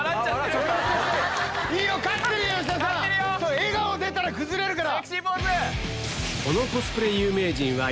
笑顔出たら崩れるから！